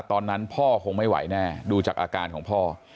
ตอนนั้นพ่อคงไม่ไหวแน่ดูจากอาการของพ่อ